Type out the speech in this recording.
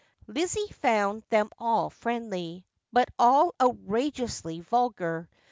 Lizzie found them all friendly, but all outrageously vulgar.